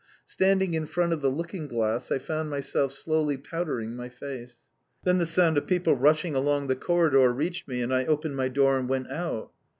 Standing in front of the looking glass, I found myself slowly powdering my face. Then the sound of people rushing along the corridor reached me, and I opened my door and went out.